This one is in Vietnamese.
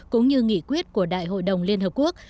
cũng như nghị quyết của đại hội đồng liên hợp quốc